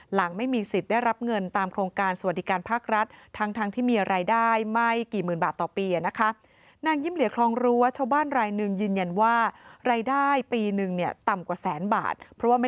หลังไม่มีสิทธิ์ได้รับเงินตามโครงการสวัสดิการภาครัฐ